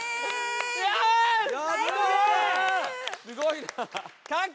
すごいな。